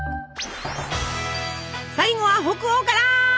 最後は北欧から！